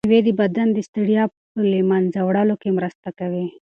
مېوې د بدن د ستړیا په له منځه وړلو کې مرسته کوي.